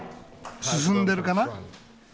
進んでるかな？